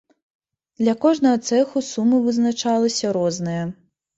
Для кожнага цэху сума вызначалася розная.